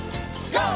ＧＯ！